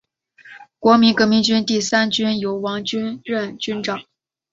国民革命军第三军由王均任军长。